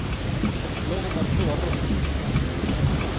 Logo marchou a Roma.